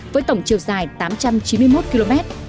với tổng chiều dài tám trăm chín mươi một km